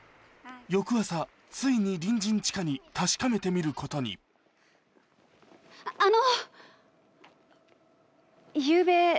翌朝ついに隣人千夏に確かめてみることにあの！